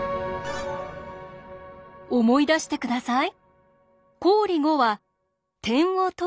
思い出して下さい。